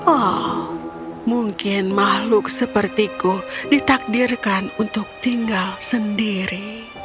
oh mungkin makhluk sepertiku ditakdirkan untuk tinggal sendiri